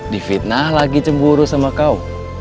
difitnah lagi cemburu sama kau